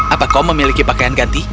apa kau memiliki pakaian ganti